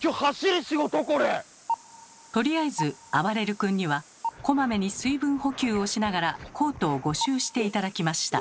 とりあえずあばれる君にはこまめに水分補給をしながらコートを５周して頂きました。